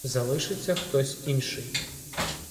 Залишиться хтось інший.